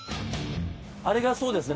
あれがそうですね？